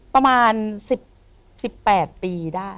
ประมาณ๑๘ปีได้